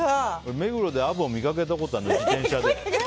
目黒でアブを見かけたことある自転車で。